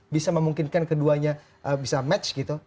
bisa memungkinkan keduanya bisa match gitu